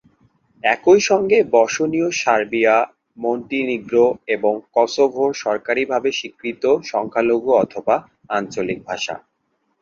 একই সঙ্গে বসনীয় Serbia, Montenegro এবং কসোভোর সরকারীভাবে স্বীকৃত সংখ্যালঘু অথবা আঞ্চলিক ভাষা।